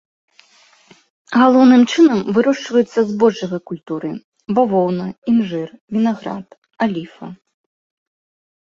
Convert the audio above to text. Галоўным чынам вырошчваюцца збожжавыя культуры, бавоўна, інжыр, вінаград, аліва.